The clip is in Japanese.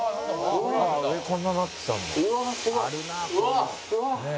「上こんななってたんだ」